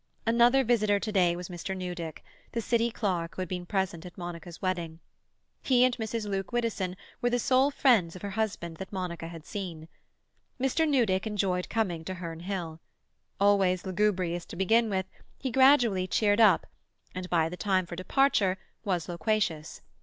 Another visitor to day was Mr. Newdick, the City clerk who had been present at Monica's wedding. He and Mrs. Luke Widdowson were the sole friends of her husband that Monica had seen. Mr. Newdick enjoyed coming to Herne Hill. Always lugubrious to begin with, he gradually cheered up, and by the time for departure was loquacious.